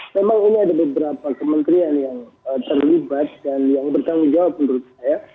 memang ini ada beberapa kementerian yang terlibat dan yang bertanggung jawab menurut saya